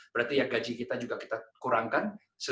berarti ya gaji kita juga kita kurangkan